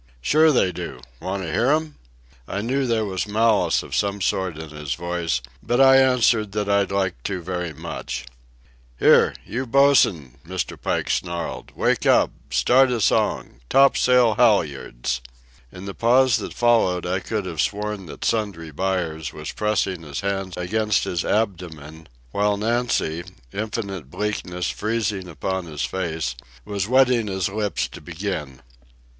"Sure they do. Want to hear 'em?" I knew there was malice of some sort in his voice, but I answered that I'd like to very much. "Here, you bosun!" Mr. Pike snarled. "Wake up! Start a song! Topsail halyards!" In the pause that followed I could have sworn that Sundry Buyers was pressing his hands against his abdomen, while Nancy, infinite bleakness freezing upon his face, was wetting his lips to begin.